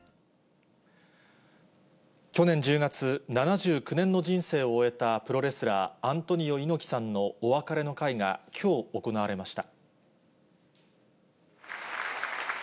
去年１０月、７９年の人生を終えたプロレスラー、アントニオ猪木さんのお別れの会がきょう行われました。